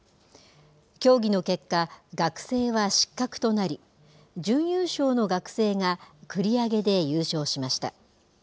協議の結果、学生は失格となり、準優勝の学生が、繰り上げで優勝しました。